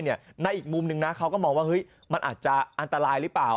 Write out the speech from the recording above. ในอีกมุมนึงนะเขาก็มองว่ามันอาจจะอันตรายหรือเปล่า